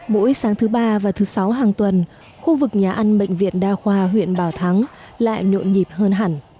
mỗi sáng thứ ba và thứ sáu hàng tuần khu vực nhà ăn bệnh viện đa khoa huyện bảo thắng lại nhộn nhịp hơn hẳn